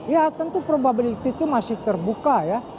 ya tentu probability itu masih terbuka ya